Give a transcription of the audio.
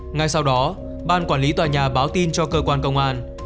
ngay sau đó ban quản lý tòa nhà báo tin cho cơ quan công an